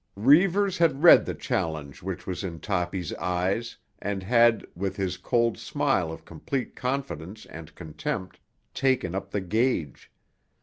Reivers had read the challenge which was in Toppy's eyes and had, with his cold smile of complete confidence and contempt, taken up the gauge.